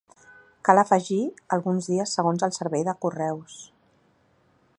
Cal afegir alguns dies segons el servei de Correus.